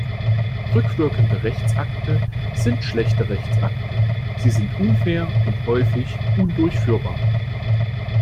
Rückwirkende Rechtsakte sind schlechte Rechtsakte, sie sind unfair und häufig undurchführbar.